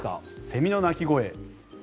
セミの鳴き声。